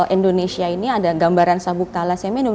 indonesia ini ada gambaran sabuk thalassemia